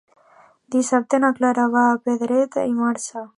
Dissabte na Clara va a Pedret i Marzà.